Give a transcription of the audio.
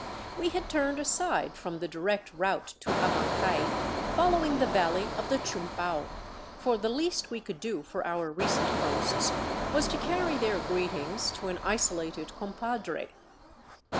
We had turned aside from the direct route to Abancay, following the valley of the Chumbau, for the least we could do for our recent hosts was to carry their greetings to an isolated compadre.